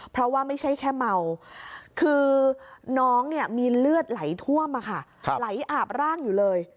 เพราะว่าไม่ใช่แค่เมาคือน้องเนี่ยมีเลือดไหลท่วมอะค่ะไหลอาบร่างอยู่เลย